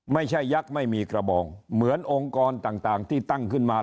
ยักษ์ไม่มีกระบองเหมือนองค์กรต่างที่ตั้งขึ้นมา